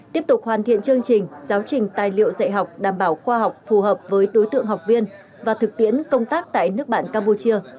tiếp tục hoàn thiện chương trình giáo trình tài liệu dạy học đảm bảo khoa học phù hợp với đối tượng học viên và thực tiễn công tác tại nước bạn campuchia